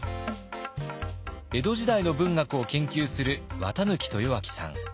江戸時代の文学を研究する綿抜豊昭さん。